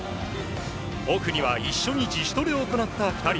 オフには一緒に自主トレを行った２人。